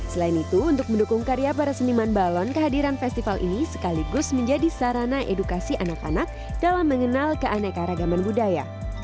selain itu untuk mendukung karya para seniman balon kehadiran festival ini sekaligus menjadi sarana edukasi anak anak dalam mengenal keanekaragaman budaya